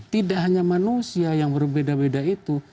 tidak hanya manusia yang berbeda beda itu